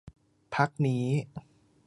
พักนี้